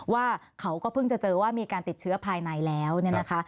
ว่าเขาก็เพิ่งจะเจอว่ามีการติดเชื้อภายในแล้วเนี่ยนะคะ